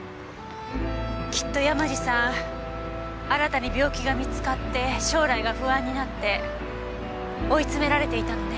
きっと山路さん新たに病気が見つかって将来が不安になって追い詰められていたのね。